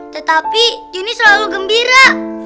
tetapi johnny selalu gembira